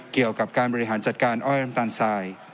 เกี่ยวกับการบริหารจัดการอ้อยน้ำตาลทราย